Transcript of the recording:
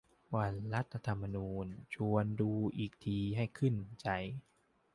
วันรัฐธรรมนูญ ชวนดูอีกทีให้ขึ้นใจ